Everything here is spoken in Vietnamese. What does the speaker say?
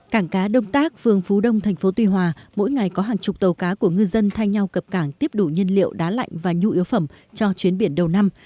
cảng cá đông tác phường phú đông thành phố tuy hòa mỗi ngày có hàng chục tàu cá của ngư dân thay nhau cập cảng tiếp đủ nhân liệu đá lạnh và nhu yếu phẩm cho chuyến biển đầu năm